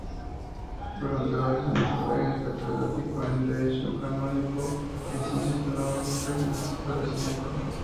Durante varios años fue catedrático en derecho canónico y ciencias teológicas en ese establecimiento.